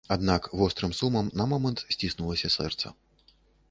Аднак вострым сумам на момант сціснулася сэрца.